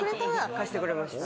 貸してくれました。